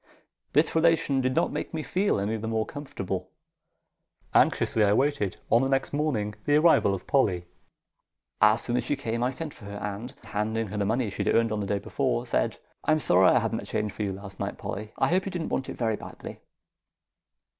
This relation did not make me feel any the more comfortable. Anxiously I waited, on the next morning, the arrival of Polly. As soon as she came I sent for her, and, handing her the money she had earned on the day before, said, "I'm sorry I hadn't the change for you last night, Polly. I hope you didn't want it very badly."